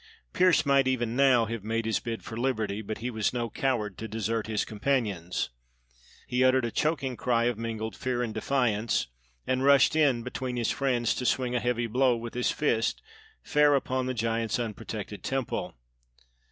Pearse might even now have made his bid for liberty; but he was no coward to desert his companions. He uttered a choking cry of mingled fear and defiance, and rushed in between his friends to swing a heavy blow with his fist fair upon the giant's unprotected temple.